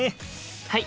はい！